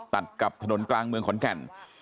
ตัดกับถนนกลางเมืองขอนแก่น